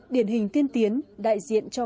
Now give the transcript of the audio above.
điển hình tiên tiến đại diện cho